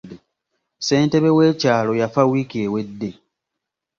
Ssentebe w'ekyalo yafa wiiki ewedde.